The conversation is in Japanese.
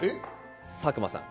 佐久間さん。